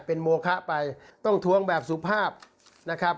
เป็นโมคะไปต้องทวงแบบสุภาพนะครับ